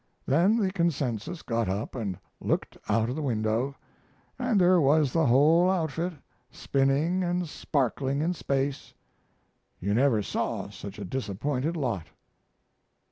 Then the Consensus got up and looked out of the window, and there was the whole outfit, spinning and sparkling in space! You never saw such a disappointed lot.